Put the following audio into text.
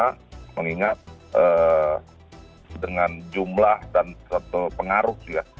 karena kita ingat dengan jumlah dan satu pengaruh juga